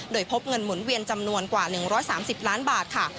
โดยพบเงินหมุนเวียนจำนวนกว่า๑๓๐ล้านบาทค่ะ